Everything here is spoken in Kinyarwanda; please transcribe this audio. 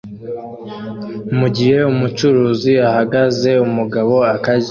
mugihe umucuruzi ahagaze umugabo akarya